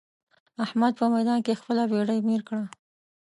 احمد په ميدان کې خپله بېډۍ مير کړه.